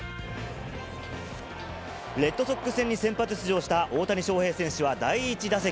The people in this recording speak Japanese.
レッドソックス戦に先発出場した大谷翔平選手は第１打席。